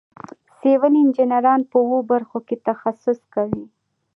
سیول انجینران په اوو برخو کې تخصص کوي.